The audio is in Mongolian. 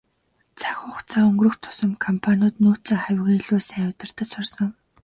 Цаг хугацаа өнгөрөх тусам компаниуд нөөцөө хавьгүй илүү сайн удирдаж сурсан.